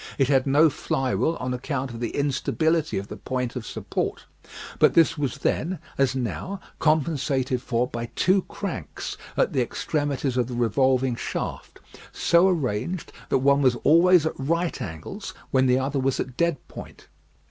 It had no fly wheel on account of the instability of the point of support, but this was then, as now, compensated for by two cranks at the extremities of the revolving shaft, so arranged that one was always at right angles when the other was at dead point.